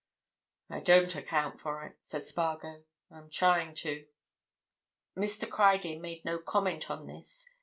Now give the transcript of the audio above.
"I don't account for it," said Spargo. "I'm trying to." Mr. Criedir made no comment on this.